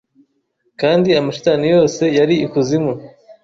Kandi amashitani yose yari ikuzimu